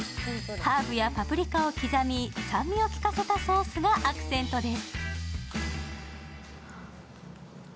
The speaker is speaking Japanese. ハーブやパプリカを刻み、酸味を効かせたソースがアクセントです。